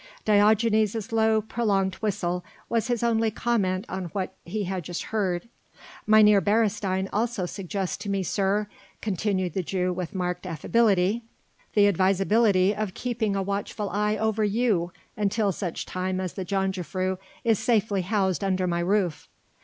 Diogenes' low, prolonged whistle was his only comment on what he had just heard. "Mynheer Beresteyn also suggests to me, sir," continued the Jew with marked affability, "the advisability of keeping a watchful eye over you until such time as the jongejuffrouw is safely housed under my roof."